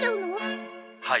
はい。